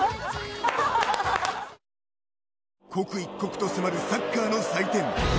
刻一刻と迫るサッカーの祭典。